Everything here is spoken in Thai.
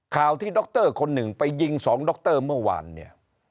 ข่าวที่ดรคนหนึ่งไปยิงสองดรเมื่อวานเนี่ย